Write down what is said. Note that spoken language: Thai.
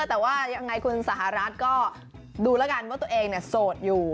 แต่ว่ายังไงคุณสหรัฐก็ดูแล้วกันว่าตัวเองโสดอยู่